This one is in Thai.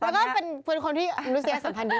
แล้วก็เป็นคนที่รู้สึกแสนสำคัญดี